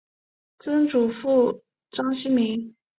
曾祖父章希明。